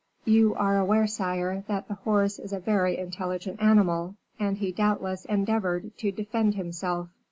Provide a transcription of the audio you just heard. "You are aware, sire, that the horse is a very intelligent animal, and he doubtless endeavoured to defend himself."